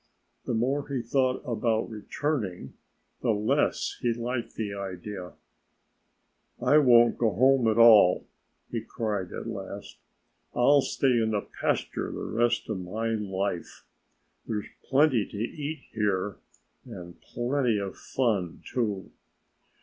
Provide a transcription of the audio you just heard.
The more he thought about returning, the less he liked the idea. "I won't go home at all!" he cried at last. "I'll stay in the pasture the rest of my life. There's plenty to eat here; and plenty of fun, too."